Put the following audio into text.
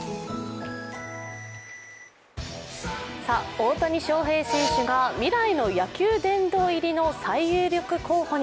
大谷翔平選手が未来の野球殿堂入りの最有力候補に。